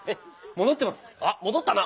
戻ったな。